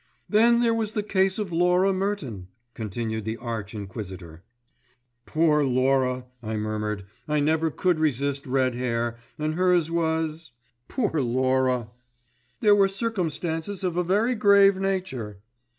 "Then there was the case of Laura Merton," continued the arch inquisitor. "Poor Laura," I murmured. "I never could resist red hair, and hers was——poor Laura!" "There were circumstances of a very grave nature."